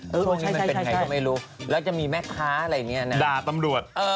ช่วงนี้มันเป็นไงก็ไม่รู้แล้วจะมีแม่ค้าอะไรอย่างเงี้ยนะโดด